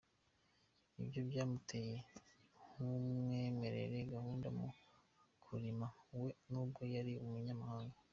Ibyo byamuteye kumwemerera guhumba mu murima we nubwo yari umunyamahanga.